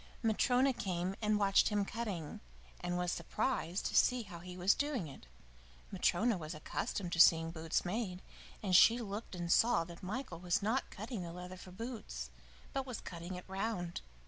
Matryona came and watched him cutting, and was surprised to see how he was doing it. Matryona was accustomed to seeing boots made, and she looked and saw that Michael was not cutting the leather for boots, but was cutting it round.